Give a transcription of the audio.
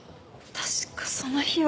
確かその日は。